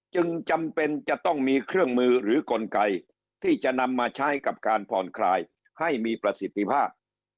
จึงจำเป็นจะต้องมีเครื่องมือหรือกลไกที่จะนำมาใช้กับการผ่อนคลายให้มีประสิทธิภาพ